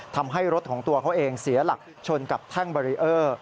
ทำให้รถของตัวเขาเองเสียหลักชนกับแท่งบารีเออร์